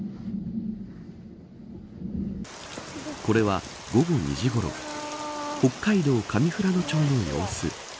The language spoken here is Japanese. これは午後２時ごろ北海道上富良野町の様子。